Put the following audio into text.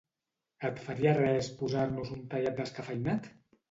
Et faria res posar-nos un tallat descafeïnat?